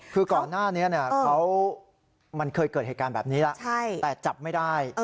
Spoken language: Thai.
คือก่อนหน้านี้มันเคยเกิดเหตุการณ์แบบนี้แล้วแต่จับไม่ได้